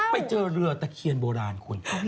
ไปเจอเรือตะเคียนโบราณคุณ